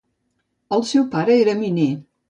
El seu pare era miner.